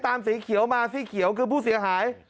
สีเขียวมาสีเขียวคือผู้เสียหาย